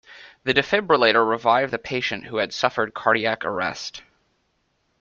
The Defibrillator revived the patient who had suffered cardiac arrest.